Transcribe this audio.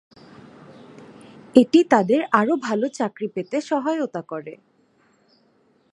এটি তাদের আরও ভাল চাকরি পেতে সহায়তা করে।